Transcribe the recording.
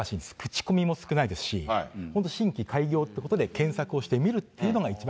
書き込みも少ないですし、本当、新規開業ということで検索をしてみるっていうのが一番。